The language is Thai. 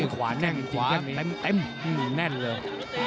ขวานั่งจริงแน่นเลย